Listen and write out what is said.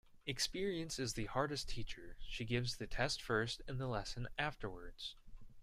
Experience is the hardest teacher. She gives the test first and the lesson afterwards.